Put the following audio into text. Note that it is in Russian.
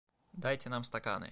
Дайте нам стаканы!